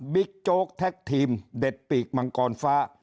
โจ๊กแท็กทีมเด็ดปีกมังกรฟ้า